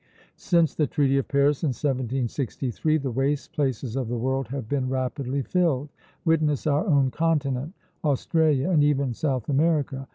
Since the Treaty of Paris in 1763, the waste places of the world have been rapidly filled; witness our own continent, Australia, and even South America.